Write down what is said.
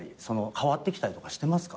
変わってきたりとかしてますか？